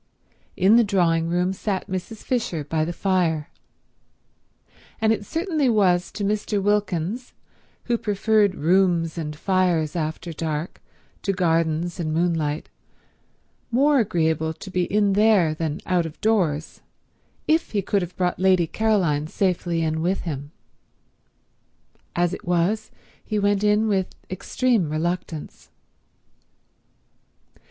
In the drawing room sat Mrs. Fisher by the fire, and it certainly was to Mr. Wilkins, who preferred rooms and fires after dark to gardens and moonlight, more agreeable to be in there than out of doors if he could have brought Lady Caroline safely in with him. As it was, he went in with extreme reluctance.